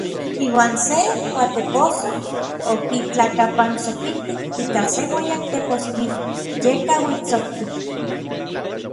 Iuan se kuatepossoj okitlakapantsopitij ika se ueyak tepostli yekauitsoktik.